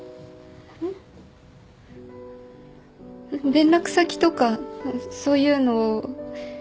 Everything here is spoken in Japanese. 連絡先とかそういうのを。